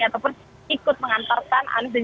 ataupun ikut mengantarkan anies dan